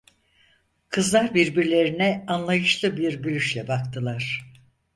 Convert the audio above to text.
Kızlar birbirlerine anlayışlı bir gülüşle baktılar.